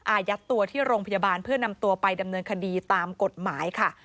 อายัดตัวที่โรงพยาบาลเพื่อนำตัวไปดำเนินคดีตามกฎหมายค่ะ